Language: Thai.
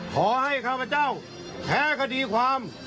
ขอให้ข้าพเจ้าแท้คดีความ